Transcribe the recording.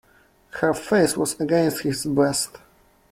Her face was against his breast.